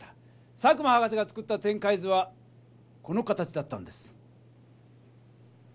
佐久間博士が作った展開図はこの形だったんです。